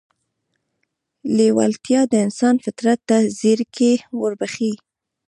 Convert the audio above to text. لېوالتیا د انسان فطرت ته ځيرکي وربښي.